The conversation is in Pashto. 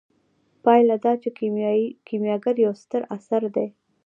پایله دا چې کیمیاګر یو ستر اثر دی.